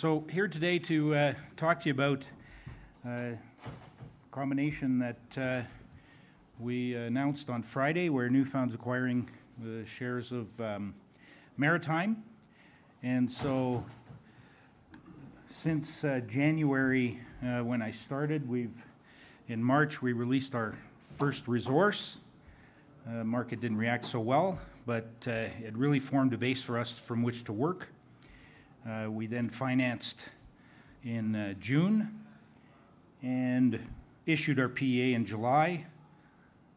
So here today to talk to you about a combination that we announced on Friday, where New Found's acquiring shares of Maritime, and so since January, when I started, we've, in March, we released our first resource. The market didn't react so well, but it really formed a base for us from which to work. We then financed in June and issued our PEA in July,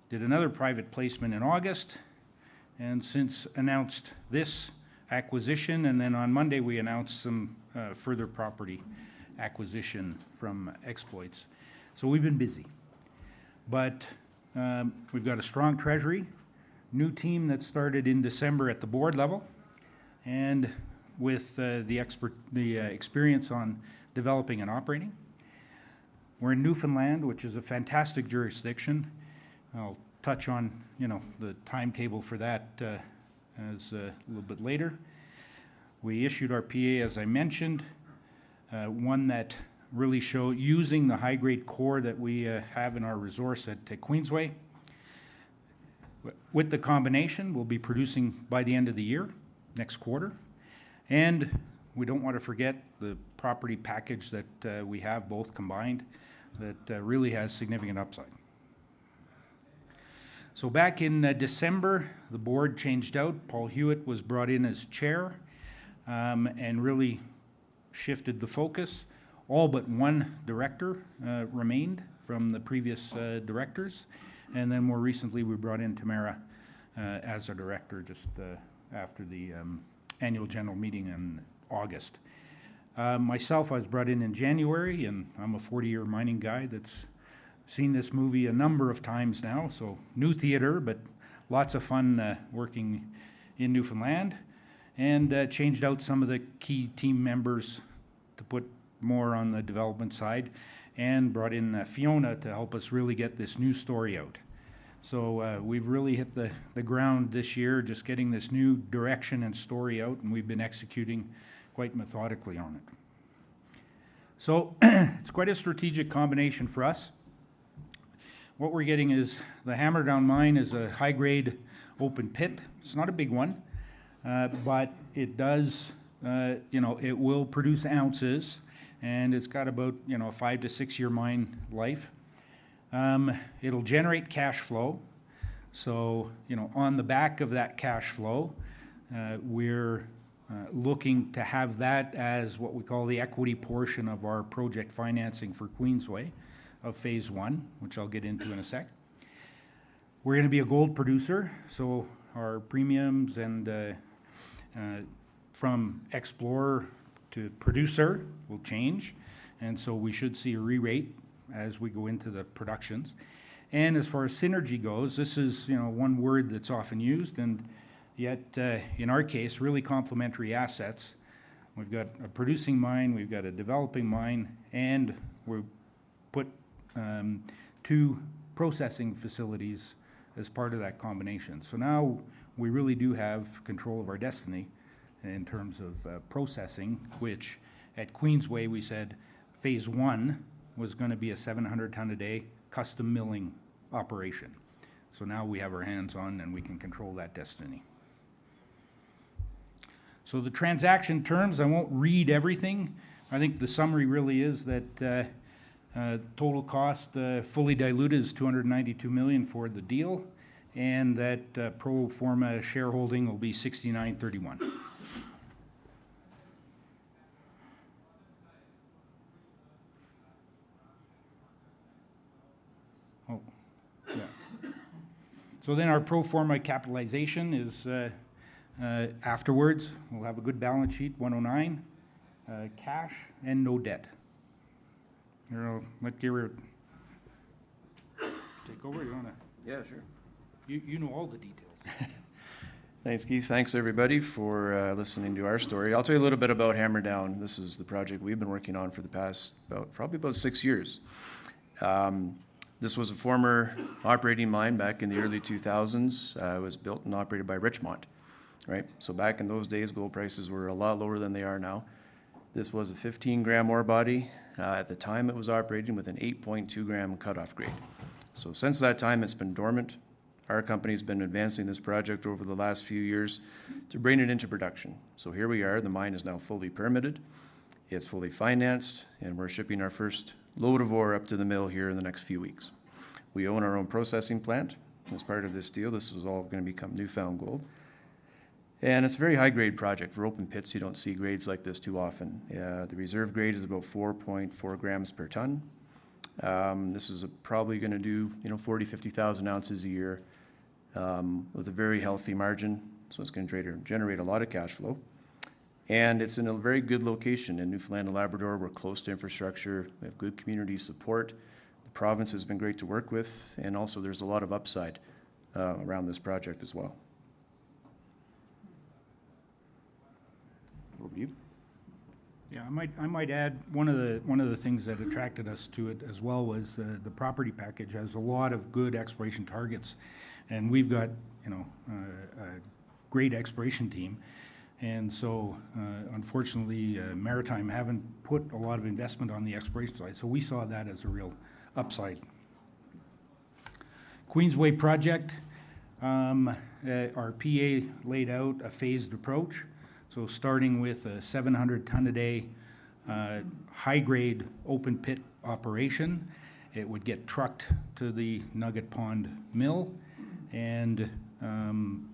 did another private placement in August, and since announced this acquisition, and then on Monday, we announced some further property acquisition from Exploits, so we've been busy, but we've got a strong treasury, new team that started in December at the board level, and with the expert experience on developing and operating. We're in Newfoundland, which is a fantastic jurisdiction. I'll touch on, you know, the timetable for that a little bit later. We issued our PEA, as I mentioned, one that really showed using the high-grade core that we have in our resource at Queensway. With the combination, we'll be producing by the end of the year, next quarter. And we don't want to forget the property package that we have both combined that really has significant upside. So back in December, the board changed out. Paul Huet was brought in as chair and really shifted the focus. All but one director remained from the previous directors. And then more recently, we brought in Tamara as our director just after the annual general meeting in August. Myself, I was brought in in January, and I'm a 40-year mining guy that's seen this movie a number of times now. So new theater, but lots of fun working in Newfoundland. And changed out some of the key team members to put more on the development side and brought in Fiona to help us really get this new story out. So we've really hit the ground this year, just getting this new direction and story out, and we've been executing quite methodically on it. So it's quite a strategic combination for us. What we're getting is the Hammerdown Mine is a high-grade open pit. It's not a big one, but it does, you know, it will produce ounces, and it's got about, you know, a five-to-six-year mine life. It'll generate cash flow. So, you know, on the back of that cash flow, we're looking to have that as what we call the equity portion of our project financing for Queensway phase one, which I'll get into in a sec. We're going to be a gold producer. Our premiums from explorer to producer will change. And so we should see a re-rate as we go into the productions. And as far as synergy goes, this is, you know, one word that's often used, and yet in our case, really complementary assets. We've got a producing mine, we've got a developing mine, and we've put two processing facilities as part of that combination. So now we really do have control of our destiny in terms of processing, which at Queensway, we said phase one was going to be a 700-ton-a-day custom milling operation. So now we have our hands on and we can control that destiny. So the transaction terms, I won't read everything. I think the summary really is that total cost fully diluted is 292 million for the deal and that pro forma shareholding will be 69.31%. Oh, yeah. Then our pro forma capitalization is afterwards. We'll have a good balance sheet, 109 million cash and no debt. You know, let Garett take over. You want to? Yeah, sure. You know all the details. Thanks, Keith. Thanks, everybody, for listening to our story. I'll tell you a little bit about Hammerdown. This is the project we've been working on for the past probably about six years. This was a former operating mine back in the early 2000s. It was built and operated by Richmont, right, so back in those days, gold prices were a lot lower than they are now. This was a 15-gram ore body at the time it was operating with an 8.2-gram cutoff grade, so since that time, it's been dormant. Our company's been advancing this project over the last few years to bring it into production, so here we are. The mine is now fully permitted. It's fully financed, and we're shipping our first load of ore up to the mill here in the next few weeks. We own our own processing plant. As part of this deal, this is all going to become New Found Gold. And it's a very high-grade project. For open pits, you don't see grades like this too often. The reserve grade is about 4.4 grams per ton. This is probably going to do, you know, 40,000, 50,000 ounces a year with a very healthy margin. So it's going to generate a lot of cash flow. And it's in a very good location in Newfoundland and Labrador. We're close to infrastructure. We have good community support. The province has been great to work with. And also, there's a lot of upside around this project as well. Over to you. Yeah, I might add one of the things that attracted us to it as well was the property package has a lot of good exploration targets. And we've got, you know, a great exploration team. And so, unfortunately, Maritime haven't put a lot of investment on the exploration side. So we saw that as a real upside. Queensway project, our PEA laid out a phased approach. So starting with a 700-ton-a-day high-grade open pit operation, it would get trucked to the Nugget Pond Mill and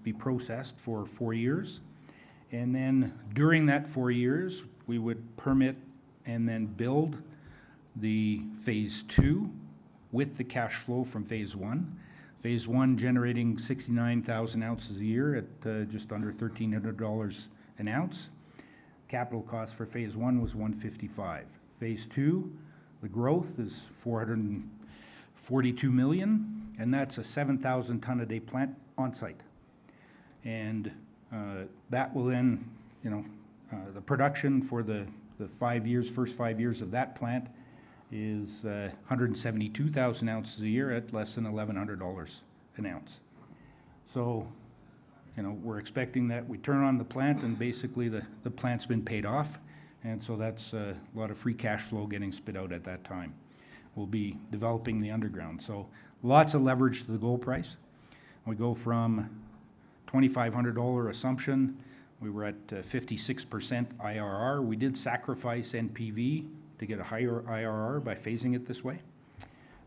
be processed for four years. And then during that four years, we would permit and then build the phase two with the cash flow from phase one. Phase one generating 69,000 ounces a year at just under 1,300 dollars an ounce. Capital cost for phase one was 155 million. Phase two, the growth is 442 million, and that's a 7,000-ton-a-day plant on site. That will then, you know, the production for the five years, first five years of that plant is $172,000 a year at less than $1,100 an ounce. So, you know, we're expecting that we turn on the plant and basically the plant's been paid off. And so that's a lot of free cash flow getting spit out at that time. We'll be developing the underground. So lots of leverage to the gold price. We go from $2,500 assumption. We were at 56% IRR. We did sacrifice NPV to get a higher IRR by phasing it this way.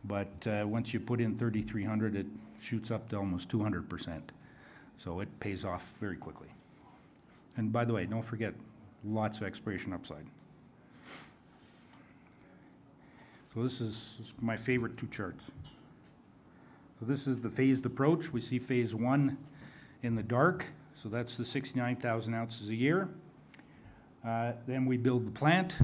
But once you put in $3,300, it shoots up to almost 200%. So it pays off very quickly. And by the way, don't forget, lots of exploration upside. So this is my favorite two charts. So this is the phased approach. We see phase one in the dark. So that's the 69,000 ounces a year. Then we build the plant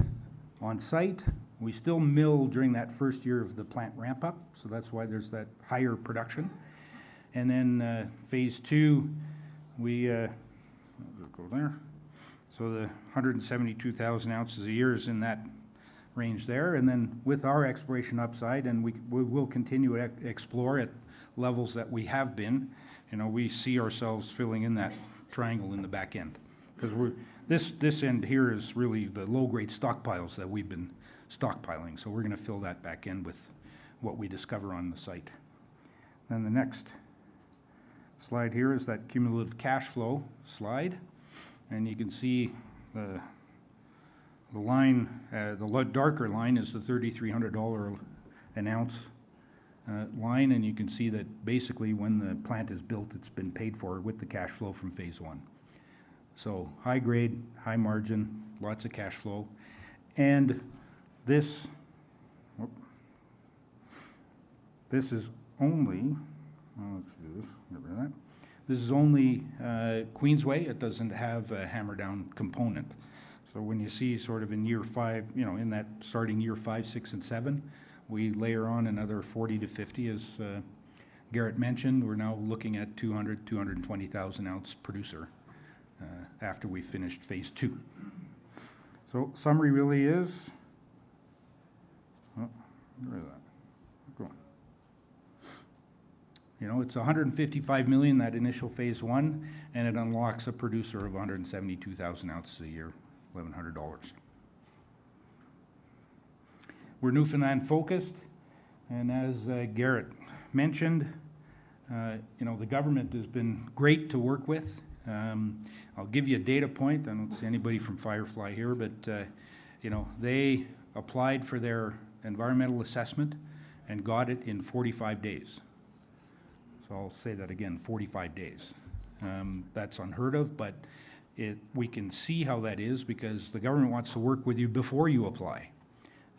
on site. We still mill during that first year of the plant ramp-up. So that's why there's that higher production. And then phase two, we go there. So the 172,000 ounces a year is in that range there. And then with our exploration upside, and we will continue to explore at levels that we have been, you know, we see ourselves filling in that triangle in the back end. Because this end here is really the low-grade stockpiles that we've been stockpiling. So we're going to fill that back in with what we discover on the site. Then the next slide here is that cumulative cash flow slide. And you can see the line, the darker line is the 3,300 dollar an ounce line. You can see that basically when the plant is built, it's been paid for with the cash flow from phase one. So high grade, high margin, lots of cash flow. This, this is only, let's do this, get rid of that. This is only Queensway. It doesn't have a Hammerdown component. When you see sort of in year five, you know, in that starting year five, six, and seven, we layer on another 40-50, as Garett mentioned. We're now looking at 200,000-220,000 ounce producer after we finished phase two. Summary really is, get rid of that. You know, it's 155 million that initial phase one, and it unlocks a producer of $172,000 a year, 1,100 dollars. We're Newfoundland-focused. As Garett mentioned, you know, the government has been great to work with. I'll give you a data point. I don't see anybody from Firefly here, but you know, they applied for their environmental assessment and got it in 45 days. So I'll say that again, 45 days. That's unheard of, but we can see how that is because the government wants to work with you before you apply.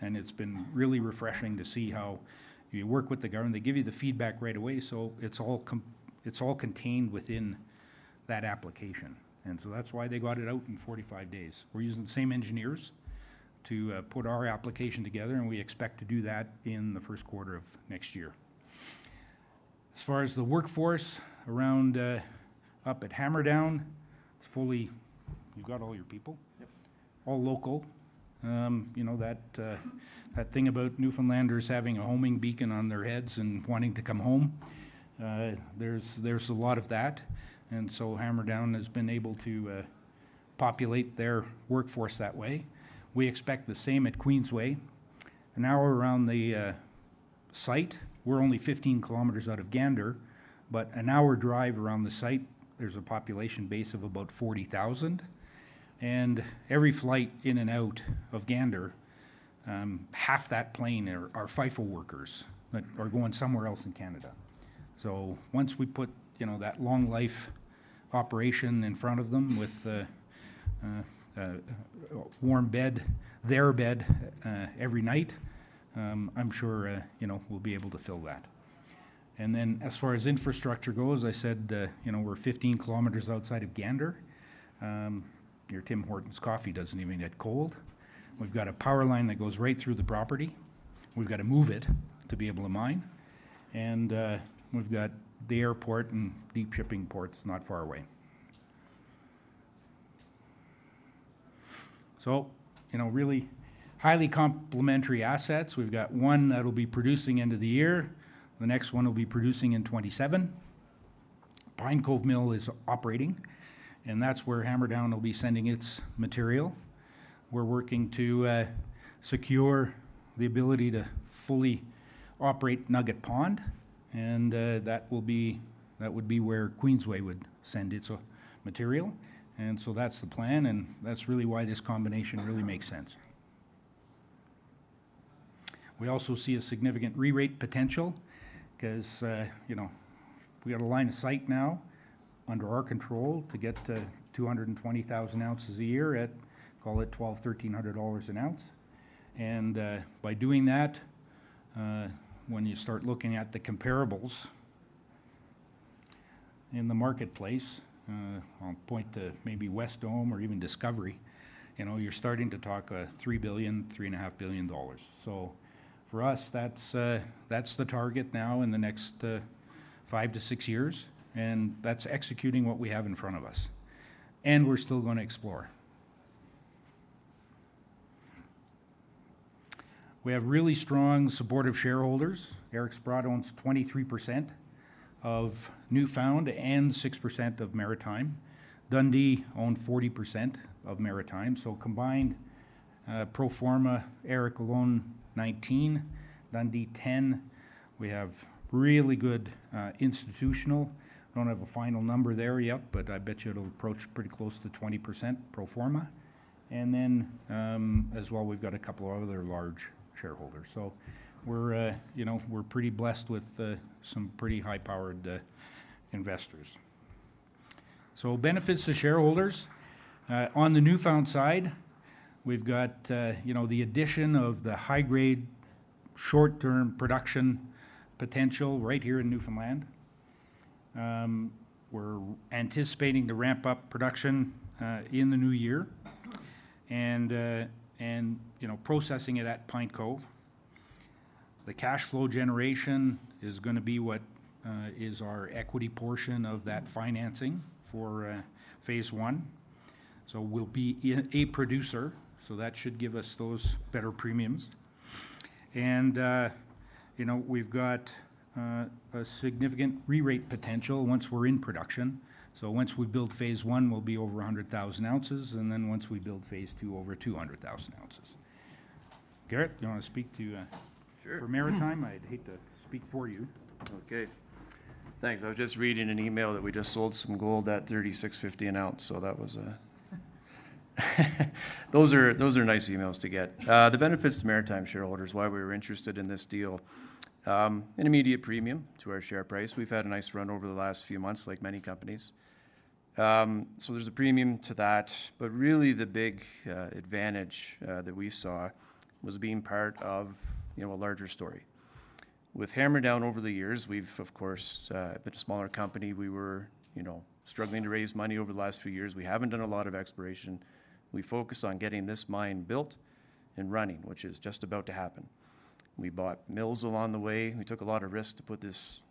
It's been really refreshing to see how you work with the government. They give you the feedback right away. So it's all contained within that application. That's why they got it out in 45 days. We're using the same engineers to put our application together, and we expect to do that in the first quarter of next year. As far as the workforce around up at Hammerdown, it's fully. You've got all your people, all local. You know, that thing about Newfoundlanders having a homing beacon on their heads and wanting to come home, there's a lot of that and so Hammerdown has been able to populate their workforce that way. We expect the same at Queensway. An hour around the site, we're only 15 kilometers out of Gander, but an hour drive around the site, there's a population base of about 40,000 and every flight in and out of Gander, half that plane are FIFO workers that are going somewhere else in Canada. So once we put, you know, that long life operation in front of them with a warm bed, their bed every night, I'm sure, you know, we'll be able to fill that and then as far as infrastructure goes, I said, you know, we're 15 kilometers outside of Gander. Your Tim Hortons coffee doesn't even get cold. We've got a power line that goes right through the property. We've got to move it to be able to mine. And we've got the airport and deep shipping ports not far away. So, you know, really highly complementary assets. We've got one that'll be producing end of the year. The next one will be producing in 2027. Pine Cove Mill is operating, and that's where Hammerdown will be sending its material. We're working to secure the ability to fully operate Nugget Pond. And that will be, that would be where Queensway would send its material. And so that's the plan, and that's really why this combination really makes sense. We also see a significant re-rate potential because, you know, we got a line of sight now under our control to get to $220,000 a year at, call it $1,200-$1,300 an ounce. By doing that, when you start looking at the comparables in the marketplace, I'll point to maybe Wesdome or even Discovery, you know, you're starting to talk $3 billion-$3.5 billion. For us, that's the target now in the next five to six years. That's executing what we have in front of us. We're still going to explore. We have really strong supportive shareholders. Eric Sprott owns 23% of New Found and 6% of Maritime. Dundee owned 40% of Maritime. So combined pro forma, Eric alone 19%, Dundee 10%. We have really good institutional. Don't have a final number there yet, but I bet you it'll approach pretty close to 20% pro forma. Then as well, we've got a couple of other large shareholders. So we're, you know, we're pretty blessed with some pretty high-powered investors. So benefits to shareholders. On the New Found side, we've got, you know, the addition of the high-grade short-term production potential right here in Newfoundland. We're anticipating to ramp up production in the new year and, you know, processing it at Pine Cove. The cash flow generation is going to be what is our equity portion of that financing for phase one. So we'll be a producer. So that should give us those better premiums. And, you know, we've got a significant re-rate potential once we're in production. So once we build phase one, we'll be over 100,000 ounces. And then once we build phase two, over 200,000 ounces. Garett, you want to speak to you for Maritime? I'd hate to speak for you. Okay. Thanks. I was just reading an email that we just sold some gold at 3,650 an ounce. So that was a, those are nice emails to get. The benefits to Maritime shareholders, why we were interested in this deal, an immediate premium to our share price. We've had a nice run over the last few months, like many companies. So there's a premium to that. But really the big advantage that we saw was being part of, you know, a larger story. With Hammerdown over the years, we've of course, been a smaller company. We were, you know, struggling to raise money over the last few years. We haven't done a lot of exploration. We focused on getting this mine built and running, which is just about to happen. We bought mills along the way. We took a lot of risks to put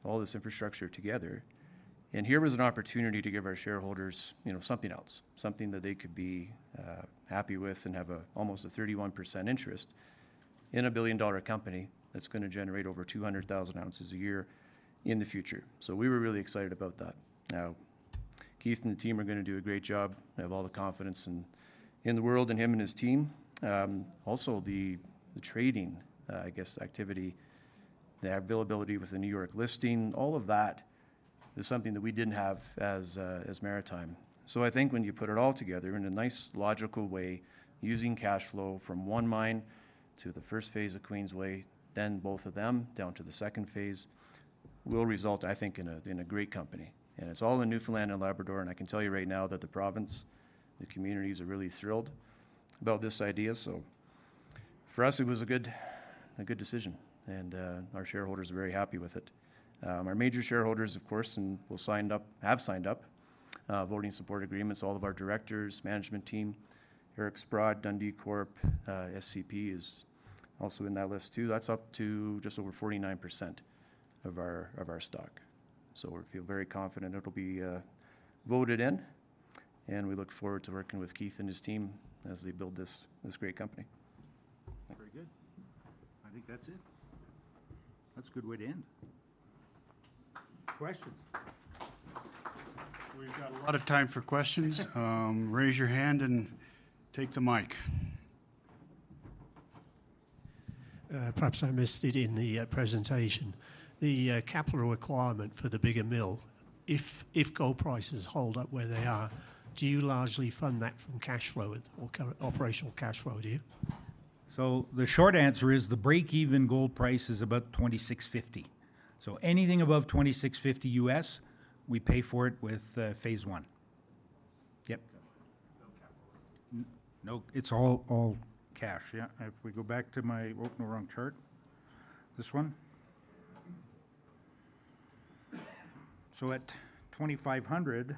all this infrastructure together. Here was an opportunity to give our shareholders, you know, something else, something that they could be happy with and have almost a 31% interest in a billion-dollar company that's going to generate over 200,000 ounces a year in the future. So we were really excited about that. Now, Keith and the team are going to do a great job. I have all the confidence in the world in him and his team. Also, the trading, I guess, activity, the availability with the New York listing, all of that is something that we didn't have as Maritime. So I think when you put it all together in a nice logical way, using cash flow from one mine to the first phase of Queensway, then both of them down to the second phase will result, I think, in a great company. And it's all in Newfoundland and Labrador. I can tell you right now that the province, the communities are really thrilled about this idea. For us, it was a good decision. Our shareholders are very happy with it. Our major shareholders, of course, and we have signed up voting support agreements, all of our directors, management team, Eric Sprott, Dundee Corporation, SCP is also in that list too. That's up to just over 49% of our stock. We feel very confident it'll be voted in. We look forward to working with Keith and his team as they build this great company. Very good. I think that's it. That's a good way to end. Questions. We've got a lot of time for questions. Raise your hand and take the mic. Perhaps I missed it in the presentation. The capital requirement for the bigger mill, if gold prices hold up where they are, do you largely fund that from cash flow or operational cash flow, do you? So the short answer is the break-even gold price is about $2,650. So anything above $2,650 U.S., we pay for it with phase one. Yep. No capital? No, it's all cash. Yeah. If we go back to my opener chart, this one, So at $2,500,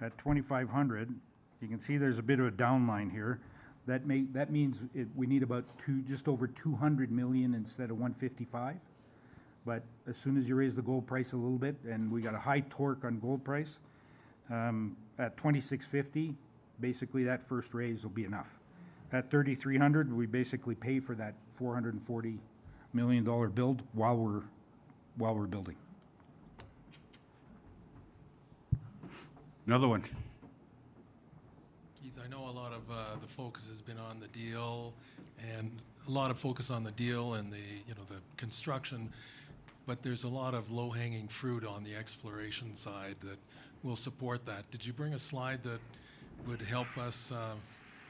at $2,500, you can see there's a bit of a down line here. That means we need about just over $200 million instead of $155 million, but as soon as you raise the gold price a little bit, and we got a high torque on gold price, at $2,650, basically that first raise will be enough. At $3,300, we basically pay for that $440 million build while we're building. Another one. Keith, I know a lot of the focus has been on the deal and a lot of focus on the deal and the, you know, the construction, but there's a lot of low-hanging fruit on the exploration side that will support that. Did you bring a slide that would help us?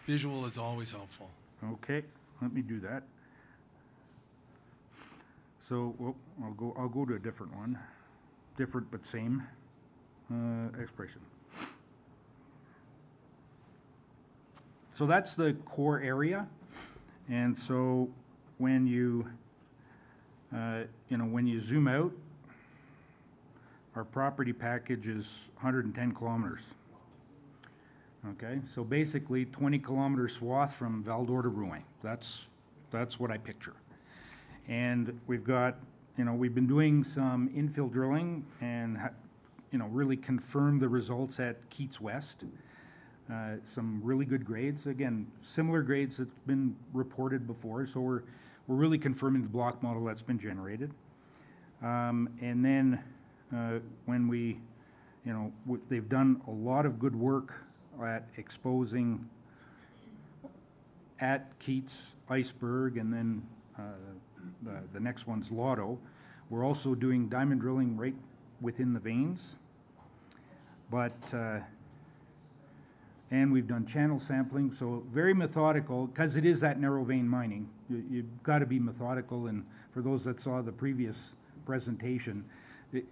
Visual is always helpful. Okay. Let me do that. So I'll go to a different one, different but same exploration. So that's the core area. And so when you, you know, when you zoom out, our property package is 110 km. Okay. So basically 20 km swath from Val-d'Or, Rouyn-Noranda. That's what I picture. And we've got, you know, we've been doing some infill drilling and, you know, really confirmed the results at Keats West, some really good grades. Again, similar grades that have been reported before. So we're really confirming the block model that's been generated. And then when we, you know, they've done a lot of good work at exposing at Iceberg and then the next one's Lotto. We're also doing diamond drilling right within the veins. But, and we've done channel sampling. So very methodical because it is that narrow vein mining. You've got to be methodical. For those that saw the previous presentation,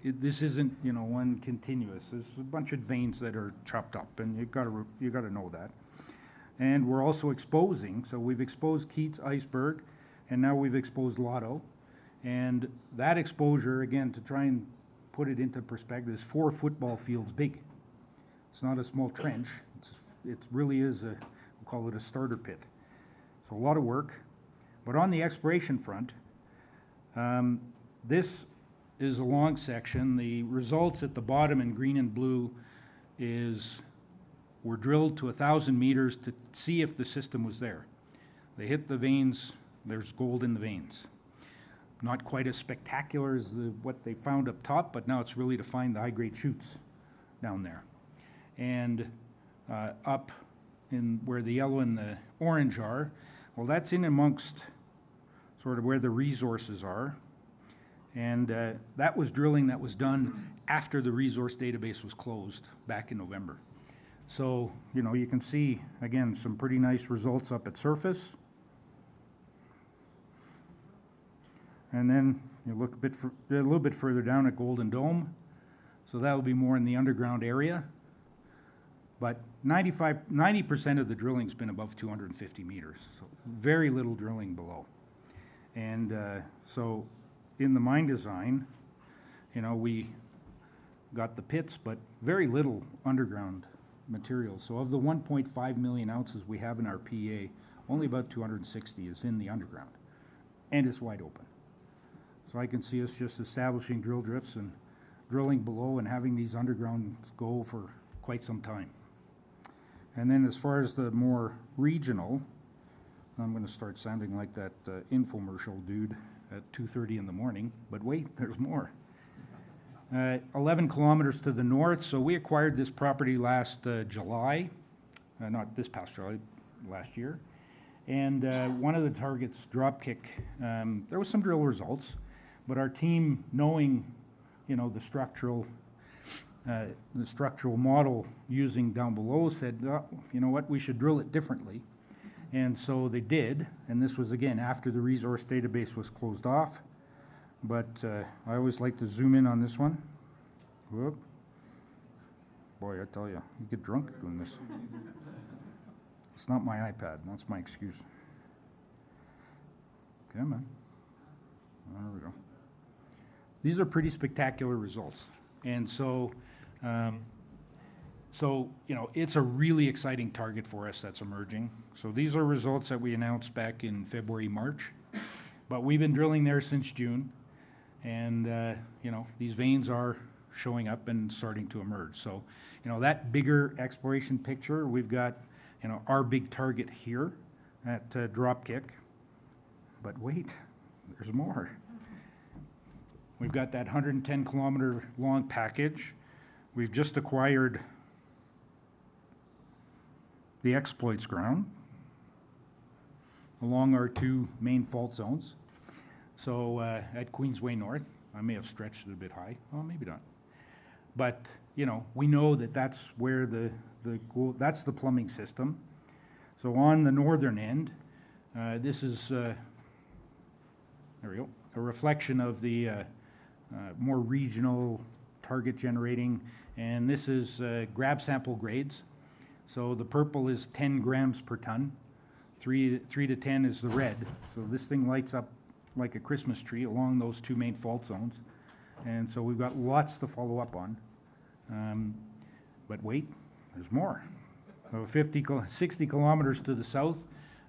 this isn't, you know, one continuous. There's a bunch of veins that are chopped up and you've got to know that. We're also exposing. We've exposed Keats, Iceberg and now we've exposed Lotto. That exposure, again, to try and put it into perspective, is four football fields big. It's not a small trench. It really is a, we'll call it a starter pit. A lot of work. On the exploration front, this is a long section. The results at the bottom in green and blue is we're drilled to 1,000 meters to see if the system was there. They hit the veins, there's gold in the veins. Not quite as spectacular as what they found up top, but now it's really to find the high-grade shoots down there. Up in where the yellow and the orange are, well, that's in amongst sort of where the resources are. That was drilling that was done after the resource database was closed back in November. So, you know, you can see again some pretty nice results up at surface. Then you look a bit further, a little bit further down at Golden Joint. So that'll be more in the underground area. But 90% of the drilling has been above 250 meters. So very little drilling below. And so in the mine design, you know, we got the pits, but very little underground material. So of the 1.5 million ounces we have in our PEA, only about 260 is in the underground. And it's wide open. So I can see us just establishing drill drifts and drilling below and having these undergrounds go for quite some time. And then as far as the more regional, I'm going to start sounding like that infomercial dude at 2:30 A.M. But wait, there's more. 11 km to the north. So we acquired this property last July, not this past July, last year. And one of the targets, Dropkick, there were some drill results, but our team, knowing, you know, the structural model using down below, said, you know what, we should drill it differently. And so they did. And this was again after the resource database was closed off. But I always like to zoom in on this one. Whoop. Boy, I tell you, you get drunk doing this. It's not my iPad. That's my excuse. Come on. There we go. These are pretty spectacular results. And so, you know, it's a really exciting target for us that's emerging. These are results that we announced back in February, March. But we've been drilling there since June. And, you know, these veins are showing up and starting to emerge. So, you know, that bigger exploration picture, we've got, you know, our big target here at Dropkick. But wait, there's more. We've got that 110-kilometer long package. We've just acquired the Exploits ground along our two main fault zones. So at Queensway North, I may have stretched it a bit high. Well, maybe not. But, you know, we know that that's where the, that's the plumbing system. So on the northern end, this is, there we go, a reflection of the more regional target generating. And this is grab sample grades. So the purple is 10 grams per ton. 3 to 10 is the red. This thing lights up like a Christmas tree along those two main fault zones. We've got lots to follow up on. But wait, there's more. 60 kilometers to the south.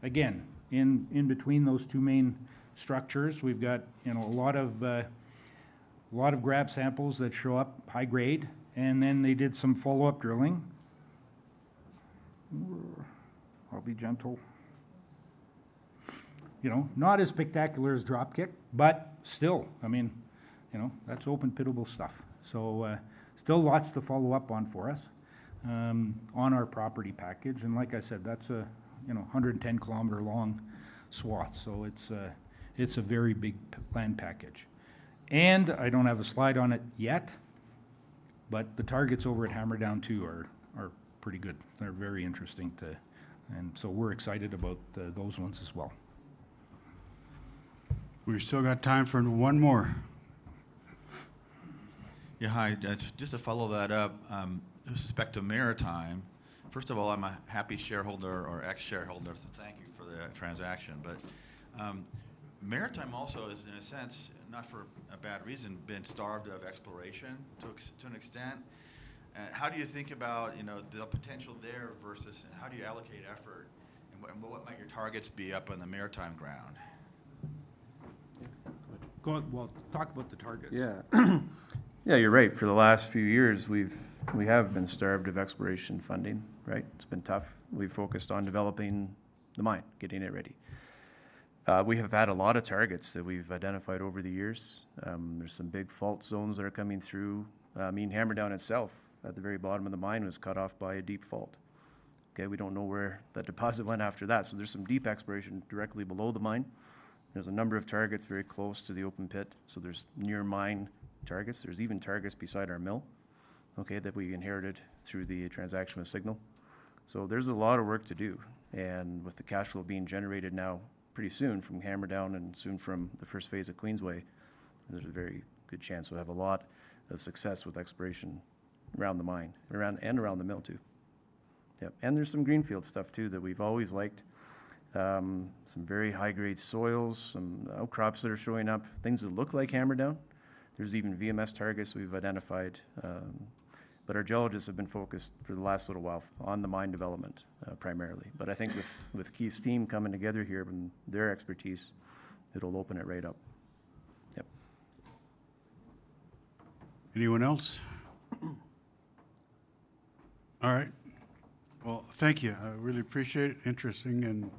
Again, in between those two main structures, we've got, you know, a lot of grab samples that show up high grade. And then they did some follow-up drilling. I'll be gentle. You know, not as spectacular as Dropkick, but still, I mean, you know, that's open-pittable stuff. So still lots to follow up on for us on our property package. And like I said, that's a, you know, 110-kilometer-long swath. So it's a very big land package. And I don't have a slide on it yet, but the targets over at Hammerdown too are pretty good. They're very interesting too. And so we're excited about those ones as well. We've still got time for one more. Yeah, hi. Just to follow that up, with respect to Maritime, first of all, I'm a happy shareholder or ex-shareholder. So thank you for the transaction. But Maritime also has, in a sense, not for a bad reason, been starved of exploration to an extent. How do you think about, you know, the potential there versus how do you allocate effort? And what might your targets be up on the Maritime ground? Go ahead. Well, talk about the targets. Yeah. Yeah, you're right. For the last few years, we have been starved of exploration funding, right? It's been tough. We've focused on developing the mine, getting it ready. We have had a lot of targets that we've identified over the years. There's some big fault zones that are coming through. I mean, Hammerdown itself at the very bottom of the mine was cut off by a deep fault. Okay. We don't know where the deposit went after that. So there's some deep exploration directly below the mine. There's a number of targets very close to the open pit. So there's near mine targets. There's even targets beside our mill, okay, that we inherited through the transaction itself. So there's a lot of work to do. And with the cash flow being generated now pretty soon from Hammerdown and soon from the first phase of Queensway, there's a very good chance we'll have a lot of success with exploration around the mine and around the mill too. Yep. And there's some greenfield stuff too that we've always liked. Some very high-grade soils, some outcrops that are showing up, things that look like Hammerdown. There's even VMS targets we've identified. But our geologists have been focused for the last little while on the mine development primarily. But I think with Keith's team coming together here and their expertise, it'll open it right up. Yep. Anyone else? All right. Well, thank you. I really appreciate it. Interesting and.